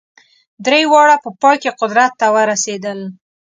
درې واړه په پای کې قدرت ته ورسېدل.